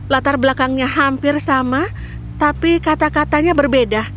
latar belakangnya hampir sama tapi kata katanya berbeda